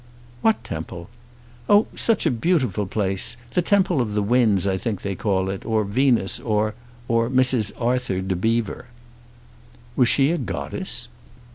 "What temple?" "Oh such a beautiful place. The Temple of the Winds, I think they call it, or Venus; or or Mrs. Arthur de Bever." "Was she a goddess?"